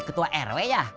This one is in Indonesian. ketua rw ya